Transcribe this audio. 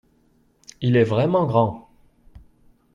Il est vraiment grand.